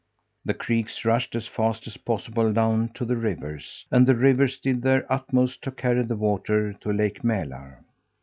The creeks rushed as fast as possible down to the rivers, and the rivers did their utmost to carry the water to Lake Mälar.